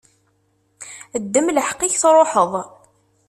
Ddem lḥeqq-ik tṛuḥeḍ.